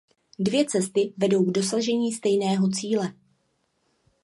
Dvě cesty vedou k dosažení stejného cíle.